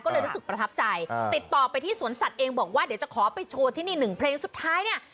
ก็เลยรู้สึกประทับใจติดต่อไปที่สวนสัตว์เองบอกว่าเดี๋ยวจะขอไปโชว์ที่นี่หนึ่งเพลงสุดท้ายเนี่ย